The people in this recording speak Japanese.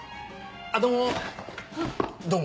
あのどうも。